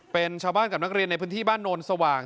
เป็นชาวบ้านกับนักเรียนในพื้นที่บ้านโนนสว่าง